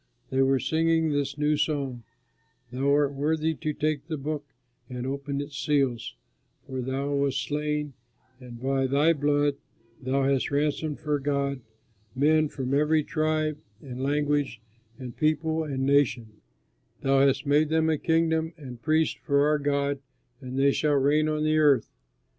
They were singing this new song: "Thou art worthy to take the book and open its seals, for thou wast slain and by thy blood thou hast ransomed for God, men from every tribe and language and people and nation; thou hast made them a kingdom and priests for our God, and they shall reign on the earth."